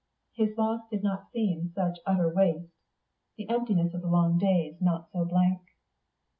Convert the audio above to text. His loss did not thus seem such utter waste, the emptiness of the long days not so blank.